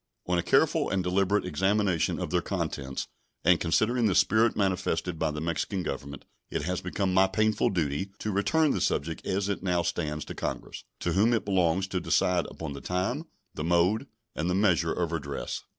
On a careful and deliberate examination of their contents, and considering the spirit manifested by the Mexican Government, it has become my painful duty to return the subject as it now stands to Congress, to whom it belongs to decide upon the time, the mode, and the measure of redress.